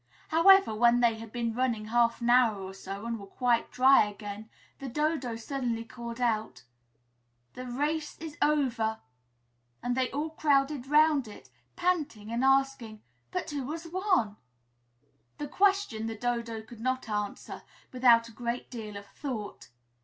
However, when they had been running half an hour or so and were quite dry again, the Dodo suddenly called out, "The race is over!" and they all crowded 'round it, panting and asking, "But who has won?" This question the Dodo could not answer without a great deal of thought.